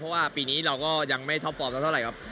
เพราะว่าปีนี้เราก็ยังไม่ท็อปฟอร์มสักเท่าไหร่ครับ